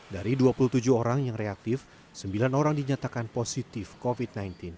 dari dua puluh tujuh orang yang reaktif sembilan orang dinyatakan positif covid sembilan belas